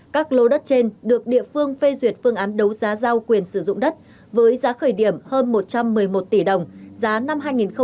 các lô đất trên được địa phương phê duyệt phương án đấu giá giao quyền sử dụng đất với giá khởi điểm hơn một trăm một mươi một tỷ đồng giá năm hai nghìn một mươi chín